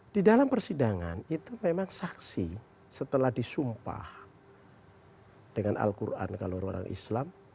di dalam persidangan itu memang saksi setelah disumpah dengan al quran kalau orang islam